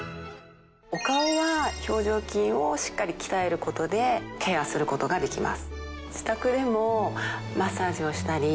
お顔は表情筋をしっかり鍛えることでケアすることができます。